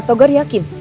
pak togar yakin